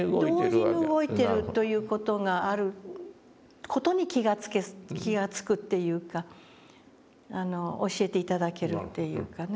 同時に動いてるという事がある事に気がつくというか教えて頂けるっていうかね。